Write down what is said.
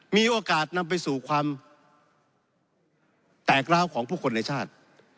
มีโอกาสนำไปสู่ความแตกร้าวของผู้คนในชาติ